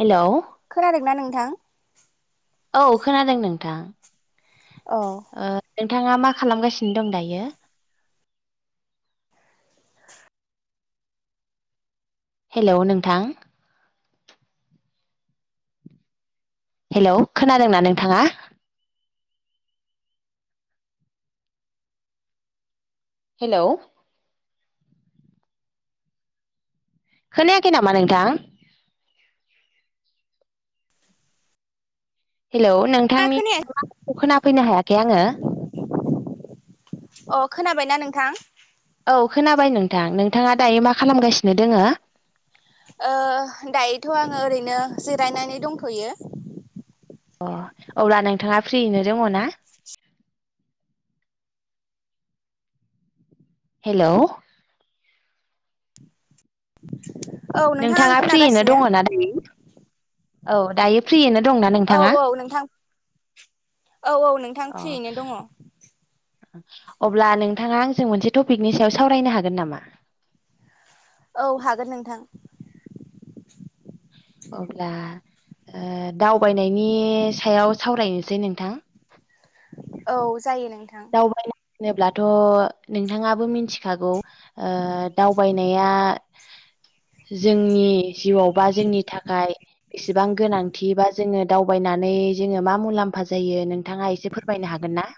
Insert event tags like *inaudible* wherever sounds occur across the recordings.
Hello खोनादोंना नोंथां औ खोनादों नोंथां औ ओ नोंथाङा मा खालामगासिनो दं दायो हेलौ नोंथां हेलौ खोनादोंना नोंथाङा हेलौ खोनायाखै नामा नोंथां हेलौ नोंथांनि खोनाया *unintelligible* खोनाफैनो हायाखै आङो। अ खोनाबाय थां औ खोनाबाय नोंथां नोंथाङा दायो मा खालामगासिनो दोङो ओ दायोथ' आङो ओरैनो जिरायनानै दंथ'यो अ अब्ला नोंथाङा फ्रियैनो दङ ना? हेलौ औ नोंथां आं नोंथाङा फ्रियैनो खोनागासिनो दङ ना दायो औ दायो फ्रियैनो दंना नोंथाङा औ औ नोंथां। औ औ नोंथां फ्रियैनो दङ अ अब्ला नोंथाङा जों मोनसे थपिकनि सायाव सावरायनो हागोन नामा? औ हागोन नोंथां अब्ला ओ दावबायनायनि सायाव सावरायनोसै नोंथां औ जायो नोंथां दावबायनाय होनोब्लाथ' नोंथाङाबो मिथिखागौ ओ दावबायनाया *inaudible* जोंनि जिउआव बा जोंनि थाखाय एसेबां गोनांथि बा जोङो दावबायनानै नै जोङो मा मुलाम्फा जायो नोंथाङा एसे फोरमायनो हागोन ना?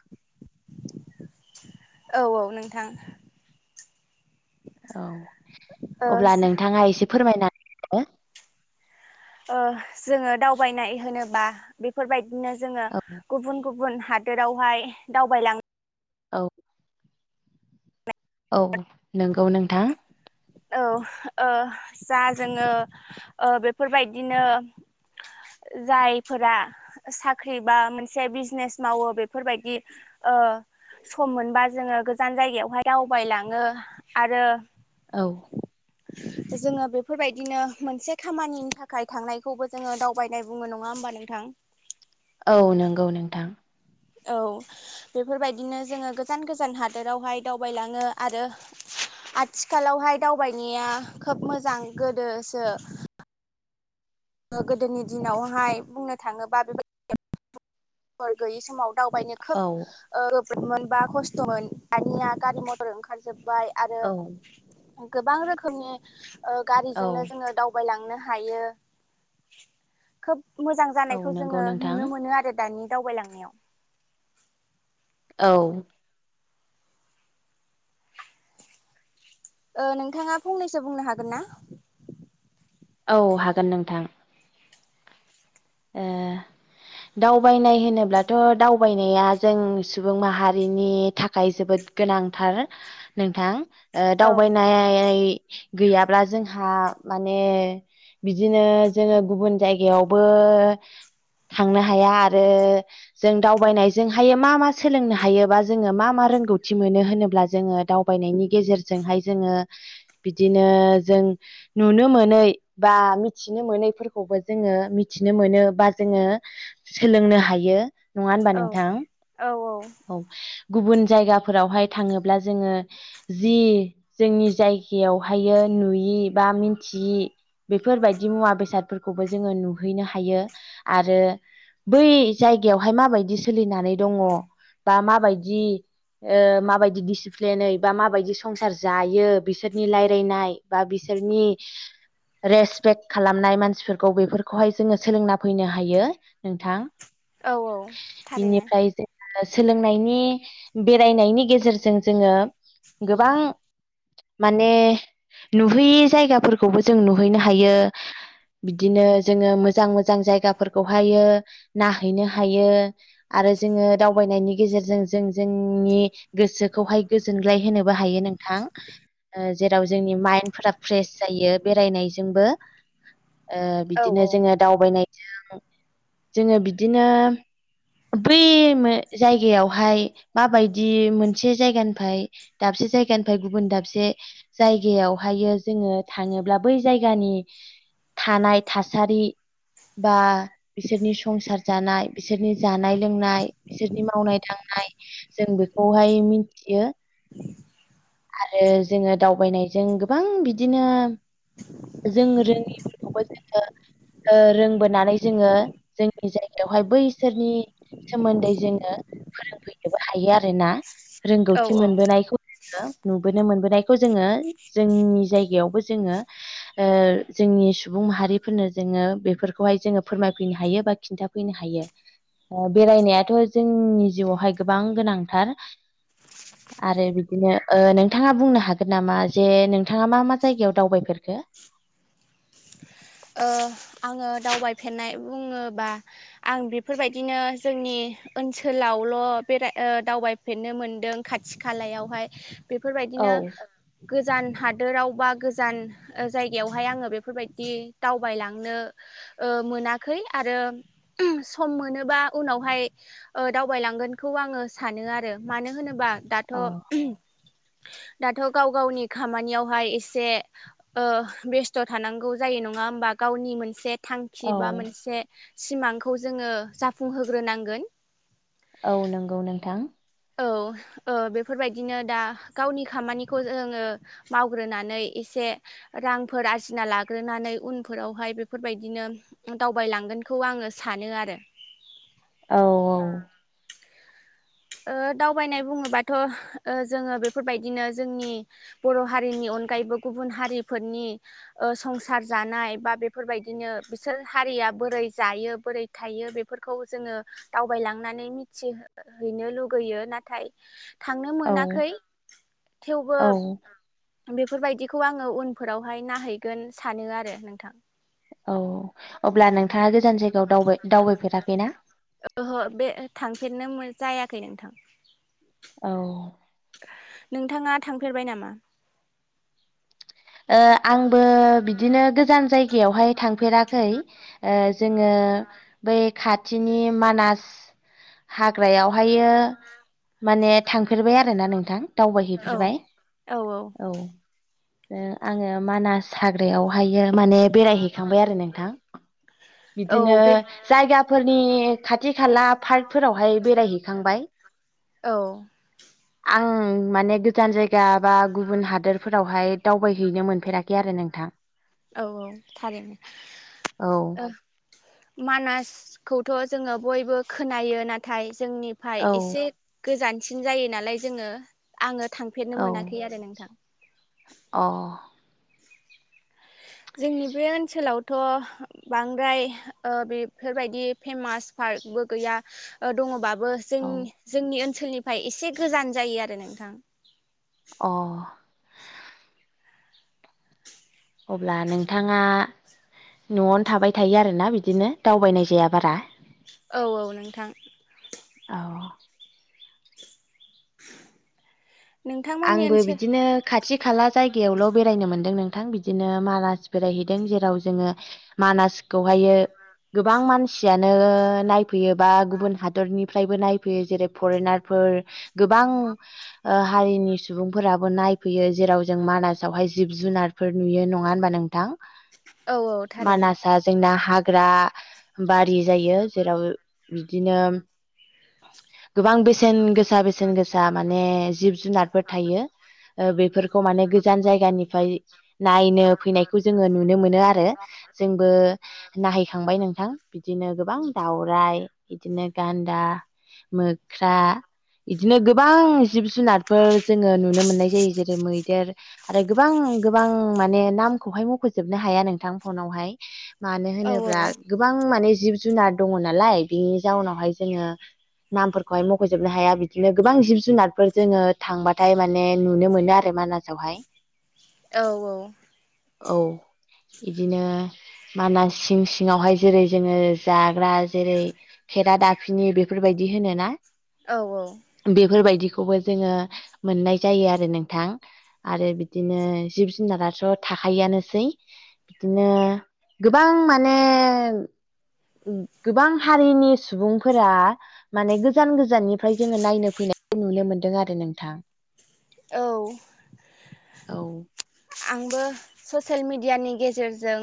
औ औ नोंथां औ ओ अब्ला नोंथाङा एसे फोरमायना ओ जोङो दावबायनाय होनोबा बेफोरबायदि बिदिनो जोङो औ गुबुन गुबुन हादोरावहाय दावबायलाङो औ औ नोंगौ नोंथां औ ओ जा जोङो ओ बेफोरबायदिनो जायफोरा साख्रि बा मोनसे बिजनेस मावो बेफोरबायदि ओम सम मोनबा जोङो गोजान जायगायावहाय दावबायलाङो आरो औ जोङो बेफोरबायदिनो मोनसे खामानिनि थाखाय थांनायखौबो जोङो दावबायनाय बुङो नङा होमबा नोंथां औ नंगौ नोंथां औ बेफोरबायदिनो जोङो गोजान गोजान हादोरावहाय दावबायलाङो आरो आथिखालावहाय दावबायनाया खोब मोजां गोदोसो गोदोनि दिनावहाय बुंनो थाङोबा बेबा फोर गैयि समाव दावबायनो खोब औ ओ मोनबा खस्थ'मोन दानिया गारि मथर ओंखारजोबबाय आरो औ गोबां रोखोमनि ओ औ गारिजोंनो जोङो दावबायलांनो हायो खोब मोजां औ जानायखौ नंगौ जोङो नोंथां नुनो मोनो आरो दानि दावबायलांनायाव औ ओ नोंथाङा फंनैसो बुंनो हागोन ना? औ हागोन नोंथां। ए दावबायनाय होनोब्लाथ' दावबायनाया जों सुबुं माहारिनि थाखाय जोबोद गोनांथार नोंथां ओ औ दावबायनाय गैयाब्ला जोंहा माने बिदिनो जोङो गुबुन जायगायावबो *unintelligible* थांनो हाया आरो जों दावबायनायजोंहायो मा मा सोलोंनो हायोबा जोङो मा मा रोंगौथि मोनो होनोब्ला जोङो दावबायनायनि गेजेरजोंहाय जोङो बिदिनो जों नुनो मोनै बा मिथिनो मोनैफोरखौबो जोङो मिथि नो मोनो बा जोङो सोलोंनो हायो नङा होनबा औ नोंथां औ गुबुन जायगाफोरावहाय थाङोब्ला जोङो जि जोंनि जायगायावहायो नुयि बा मिथियि बेफोरबायदि मुवा बेसादफोरखौबो जोङो नु हैनो हायो आरो बै जायगायावहाय माबायदि सोलिनानै दङ बा माबायदि माबायदि डिसिप्लिनै बा माबायदि संसार जायो बिसोरनि रायलायनाय बा बि सोरनि रेसपेक्ट खालामनाय मानसिफोरखौ बेफोर खौहाय जोङो सोलोंना फैनो हायो नोंथां औ औ थारैनो ओ सोलोंनायनि बेरायनायनि गेजेरजों जोङो गोबां माने नुहैयि जायगाफोरखौबो जों नुहैनो हायो बिदिनो जोङो मोजां मोजां जायगाफोरखौहायो नाहैनो हायो आरो जोङो दावबायनायनि गेजेरजों जों जोंनि गोसोखौहाय गोजोनग्लाय होनोबो हायो नोंथां ओ जेराव जोंनि माइन्डफोरा फ्रेस जायो बेरायनायजोंबो ओ औ दिनो जोङो दावबायनायजों जोङो बिदिनो बै मे जायगायावहाय माबायदि मोनसे जायगानिफ्राय दाबसे जायगानिफ्राय गुबुन दाबसे जायगायावहायो जोङो थाङोब्ला बै जायगानि थानाय थासारि बा बिसोरनि संसार जानाय बिसोरनि जानाय लोंनाय बिसोरनि मावनाय दांनाय जों बेखौहाय मिथियो *inaudible* आरो जोङो दावबायनायजों गोबां बिदिनो जों रोङिफोरखौबो जोङो ओ रोंबोनानै जोङो जोंनि जायगायावहाय बैसोरनि सोमोन्दै जोङो फोरोंफैनोबो हायो आरोना। औ रोंगौथि औ मोनबोनायखौ जोङो नुबोनो मोनबोनायखौ जोङो जोंनि जायगायावबो जोङो जोंनि सुबुं माहारिफोरनो जोङो बेफोरखौहाय जोङो फोरमायफैनो हायो बा खिन्थाफैनो हायो। बेरायनायाथ' जोंनि जिउआवहाय गोबां गोनांथार। आरो बिदिनो नोंथाङा बुंनो हागोन नामा जे नोंथाङा मा मा जायगायाव दावबायफोरखो? *unintelligible* ओ आङो दावबायफेरनाय बुङोबा आं बेफोरबायदिनो जोंनि ओनसोलावल' बेराय दावबायफेरनो मोनदों खाथि खालायावहाय औ बेफोरबायदिनो गो गोजान हादोराव बा गोजान जायगायावहाय आङो बेफोरबायदि दावबायलांनो ओ मोनाखै आरो सम मोनोबा उनावहाय ओ दावबायलांगोनखौ आङो सानो आरो मानो होनोबा दाथ' औ दाथ' गाव गावनि खामानियावहाय एसे ओ बेस्थ' थानांगौ जायो नङा नङा होमबा गावनि मोनसे थांखि बा मोनसे सिमांखौ जोङो जाफुंहोग्रोनांगोन। औ नंगौ नोंथां। औ बेफोरबायदिनो दा गावनि खामानिखौ जोङो मावग्रोनानै एसे रांफोर आरजिना लाग्रोनानै उनफोरावहाय बेफोरबायदिनो दावबायलांगोनखौ आङो सानो आरो। औ औ ओ दावबायनाय बुङोबाथ' ओ जोङो बेफोरबायदिनो जोंनि बर' हारिनि अन अनगायैबो गुबुन हारिफोरनि ओ संसार जानाय बा बेफोरबायदिनो बिसोर हारिया बोरै जायो बोरै थायो बेफोरखौ जोङो दावबायलांनानै मिथिहैनो लुगैयो नाथाय। थांनो औ मोनाखै थेवबो औ बेफोरबायदिखौ आङो उनफोरावहाय नायहैगोन सानो आरो नोंथां। औ अब्ला नोंथाङा गोजान जायगायाव दावबाय दावबायफेराखै ना? ओहो बे थांफेरनो मो जायाखै नोंथां। औ नोंथाङा थांफेरबाय नामा? आंबो बिदिनो गोजान जायगायावहाय थांफेराखै जोङो। ओ बै खाथिनि मानास हाग्रायावहायो माने थांफेरबाय आरोना नोंथां औ दावबायहैफेरबाय। औ आङो मानास हाग्रायावहायो माने बेरायहैखांबाय आरो नोंथां। औ बिदिनो बे जायगाफोरनि खाथि खाला पार्कफोरावहाय बेरायहैखांबाय। बाय। औ माने गोजान जायगा बा गुबुन हादोरफोरावहाय दावबायहैनो मोनेराखै आरो नोंथां औ औ थारैनो औ ओ मानासखौथ' जोङो बयबो खोनायो नाथाय जोंनिफ्राय औ एसे गोजानसिन जायो नालाय जोङो आङो थांफेरनो औ मोनाखै आरो नोंथां। अ जोंनि बे ओनसोलावथ' बांद्राय बेफोरबायदि फेमास फार पार्क बो गैया ओ दङबा ओ जों औ जोंनि ओनसोलनिफ्राय एसे गोजान जायो आरो नोंथां। अ अब्ला नोंथाङा न'आवनो थाबाय थायो आरोना बिदिनो? दावबायनाय जाया बारा औ औ नोंथां औ नोंथांमोननि आंबो ओनसोल बिदिनो खाथि खाला जायगायावल' बेरायनो मोन्दों नोंथां बि बिदिनो मानास बेरायहैदों जेराव जोङो मानास खौहायो गोबां मानसियानो नायफैयोबा गुबुन हादरनि फ्रायबो नायफैयो जेरै फरेनारफोर गोबां हारिनि सुबुंफोराबो नायफैयो जेराव जों मानासावहाय जिब जुनारफोर नुयो नङा होनबा नोंथां औ औ थारैनो मानासआ जोंना हाग्रा बारि जायो जेराव बिदिनो गोबां बेसेन गोसा बेसेन गोसा माने जिब जुनारफोर थायो। ओ बेफोरखौ माने गोजान जायगानिफ्राय नायनो फैनायखौ जोङो नुनो मोनो आरो जोंबो नायहैखांबाय नोंथां बिदि बिदिनो गोबां दाउराइ बिदिनो गान्दा मोख्रा बिदिनो गोबां जिब जुनारफोर जोङो नुनो मोननाय जायो जेरै मैदेर आरो गोबां गोबां माने नामखौहाय मख'जोबनो हा हाया नोंथां फनावहाय मानो औ औ होनोब्ला औ गोबां माने जिब जुनार दङ नालाय बिनि जाउनावहाय जोङो नामफोरखौहाय मख'जोबनो हाया बिदिनो गोबां जिब जुनारफोर जोङो थांबाथाय माने नुनो मोना आरो मानासावहाय औ औ औ बिदिनो मानास सिं सिङावहाय जेरै जोङो जाग्रा जेरै खेरादाफिनि बेफोरबायदि होनोना औ बेफोरबायदि बेखौबो जोङो मोननाय जायो आरो नोंथां। आरो बिदिनो जिब जुनाराथ' थाखायोआनोसै बिदिनो गोबां माने गोबां हारिनि सुबुंफोरा माने गोजान गोजाननिफ्राय जोङो नायनो फैनायखौ नुनो मोनदों आरो नोंथां औ औ आंबो ससियेल मिडियानि गेजेरजों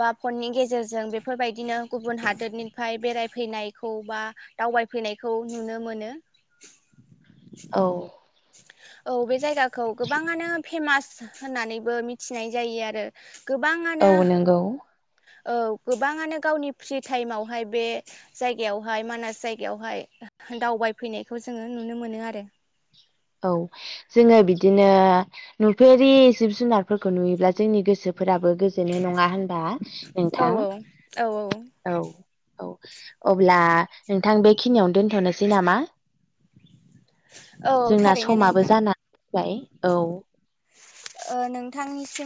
बा फननि गेजेरजों बेफोरबायदिनो गुबुन हादोरनिफ्राय बेरायफैनायखौ बा दावबायफैनायखौ नुनो मोनो औ औ बे जायगाखौ गोबाङानो फेमास होननानैबो मिथिनाय जायो आरो औ गोबाङानो नंगौ औ गोबाङानो गावनि फ्रि टाइमावहाय बे जायगायावहाय मानास जायगायावहाय दावबायफैनायखौ जोङो नुनो मोनो आरो औ जोङो बिदिनो नुफेरि जिब जुनारफोरखौ नुयोब्ला जोंनि गोसो फोराबो गोजोनो नङा होनबा औ नोंथां औ औ औ औ अब्ला नोंथां बेखिनियावनो दोनथ'नोसै नामा औ जोंना थारैनो समाबो नोंथां जानानै फैबाय औ ओ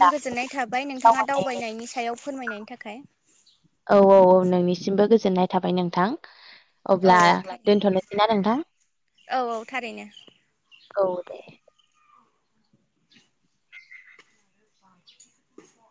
दा गोजोननाय थाबाय औ नोंथाङा दावबायनायनि सायाव फोरमायनायनि थाखाय औ औ औ नोंनिसिमबो गोजोननाय थाबाय नोंथां औ अब्ला थारैनो दोनथ'नोसैना नोंथां औ औ थारैनो औ दे